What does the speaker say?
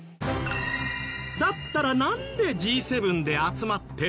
だったらなんでＧ７で集まってるの？